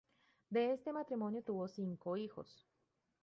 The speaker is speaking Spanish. De este matrimonio tuvo cinco hijos.